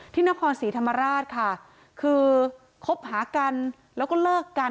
ที่นครศรีธรรมราชค่ะคือคบหากันแล้วก็เลิกกัน